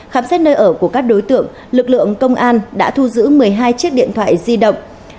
khám xét nơi ở của các đối tượng lực lượng công an đã thu giữ một mươi hai chiếc điện thoại di động